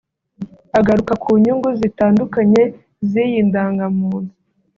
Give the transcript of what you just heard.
Agaruka ku nyungu zitandukanye z’iyi ndangamuntu